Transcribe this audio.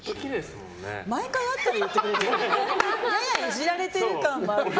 毎回会ったら言ってくれるよね。